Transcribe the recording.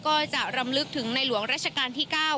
ก็จะรำลึกถึงในหลวงราชการที่๙